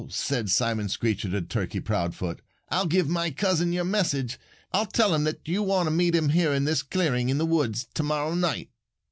said Simon Screecher to Turkey Proudfoot. "I'll give my cousin your message. I'll tell him that you want him to meet you here in this clearing in the woods to morrow night."